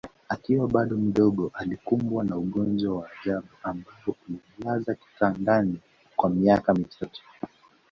Akiwa bado mdogo alikumbwa na ugonjwa wa ajabu ambao ulimlaza kitandani kwa miaka mitatu